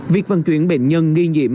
việc vận chuyển bệnh nhân nghi nhiễm